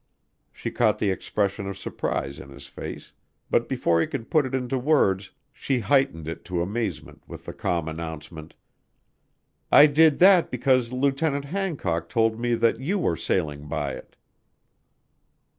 She caught the expression of surprise in his face, but before he could put it into words she heightened it to amazement with the calm announcement: "I did that because Lieutenant Hancock told me that you were sailing by it."